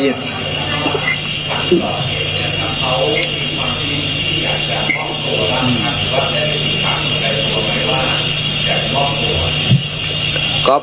ใจเย็น